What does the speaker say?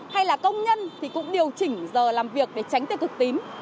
hay là công nhân thì cũng điều chỉnh giờ làm việc để tránh tiêu cực tím